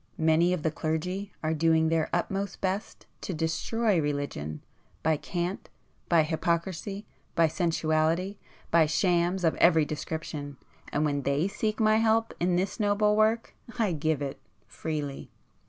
Many of the clergy are doing their utmost best to destroy religion,—by cant, by hypocrisy, by sensuality, by shams of every description,—and when they seek my help in this noble work, I give it,—freely!"